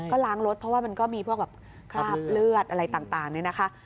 ก็ล้างรถเพราะว่ามันก็มีพวกแบบคราบเลือดอะไรต่างเนี่ยนะคะ